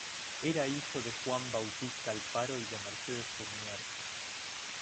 Era hijo de Juan Bautista Alfaro y de Mercedes Fournier.